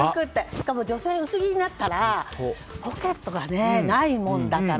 しかも女性は薄着になったらポケットがないものだから。